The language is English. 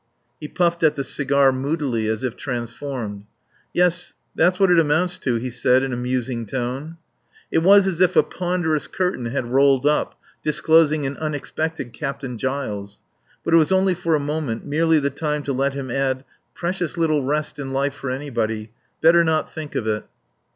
He puffed at his cigar moodily, as if transformed. "Yes. That's what it amounts to," he said in a musing tone. It was as if a ponderous curtain had rolled up disclosing an unexpected Captain Giles. But it was only for a moment, just the time to let him add, "Precious little rest in life for anybody. Better not think of it."